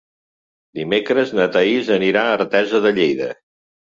Dimecres na Thaís anirà a Artesa de Lleida.